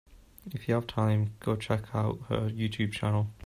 If you have time, go check out her YouTube channel.